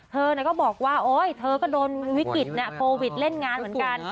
เธอก็บอกว่าโอ๊ยเธอก็โดนวิกฤตโควิดเล่นงานเหมือนกัน